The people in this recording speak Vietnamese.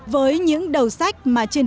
với những đầu sách mà trên thị trường